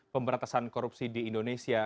pemberatasan korupsi di indonesia